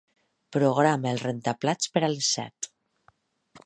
Programa el rentaplats per a les set.